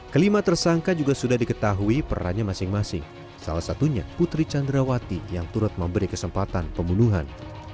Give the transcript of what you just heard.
kelima tersangka juga sudah diketahui perannya masing masing salah satunya putri candrawati yang turut memberi kesempatan pembunuhan